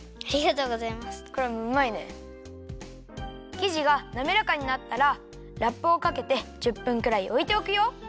きじがなめらかになったらラップをかけて１０分くらいおいておくよ。